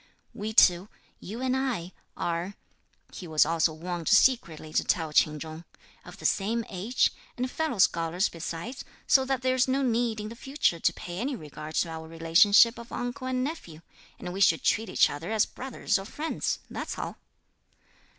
"We two, you and I, are," he was also wont secretly to tell Ch'in Chung, "of the same age, and fellow scholars besides, so that there's no need in the future to pay any regard to our relationship of uncle and nephew; and we should treat each other as brothers or friends, that's all."